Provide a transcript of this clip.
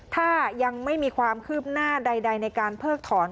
ถ้ายังไม่มีความคืบหน้าใดในการเพิกถอน